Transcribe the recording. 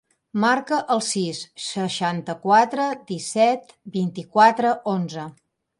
Marca el sis, seixanta-quatre, disset, vint-i-quatre, onze.